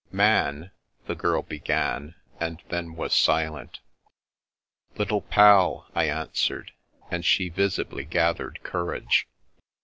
" Man," the Girl began ; and then was silent. " Little Pal," I answered, and she visibly gathered courage.